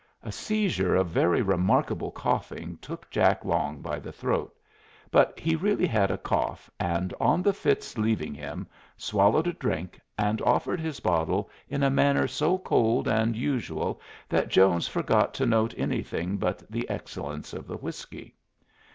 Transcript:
A seizure of very remarkable coughing took Jack Long by the throat; but he really had a cough, and, on the fit's leaving him, swallowed a drink, and offered his bottle in a manner so cold and usual that Jones forgot to note anything but the excellence of the whiskey.